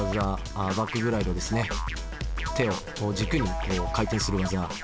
手を軸に回転する技。